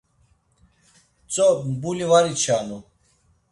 Tzo mbuli var içanu.